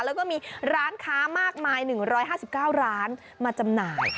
แล้วก็มีร้านค้ามากมาย๑๕๙ร้านมาจำหน่าย